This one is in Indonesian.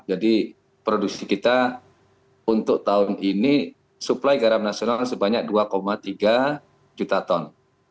jadi produksi kita untuk tahun ini suplai garam nasional sebanyak dua tiga juta ton